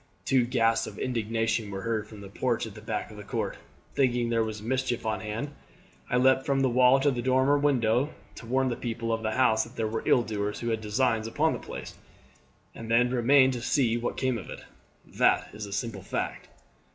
Two gasps of indignation were heard from the porch at the back of the court. "Thinking that there was mischief on hand I leapt from the wall to the dormer window to warn the people of the house that there were ill doers who had designs upon the place, and then remained to see what came of it. That is the simple fact."